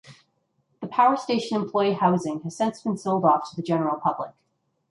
The power station employee housing has since been sold off to the general public.